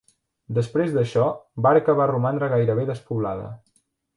Després d'això Barca va romandre gairebé despoblada.